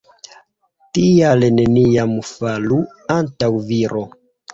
Tial neniam falu antaŭ viro.